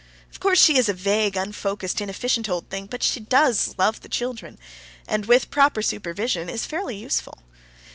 Of course she is a vague, unfocused, inefficient old thing, but she does love the children, and with proper supervision is fairly useful.